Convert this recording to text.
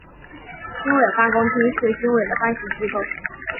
军委办公厅是军委的办事机构。